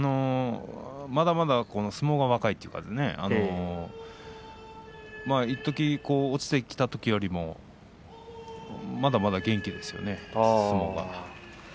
まだまだ相撲が若いというかいっとき、落ちてきたときよりもまだまだ元気ですよね、相撲が。